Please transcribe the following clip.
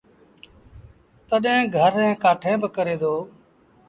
تڏهيݩ گھر ريٚݩ ڪآٺيٚن با ڪري دو